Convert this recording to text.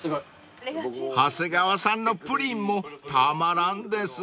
［長谷川さんのプリンもたまらんですな］